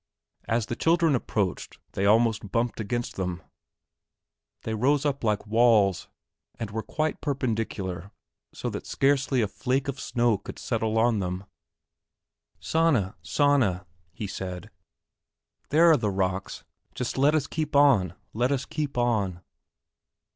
As the children approached they almost bumped against them. They rose up like walls and were quite perpendicular so that scarcely a flake of snow could settle on them. "Sanna, Sanna," he said, "there are the rocks, just let us keep on, let us keep on."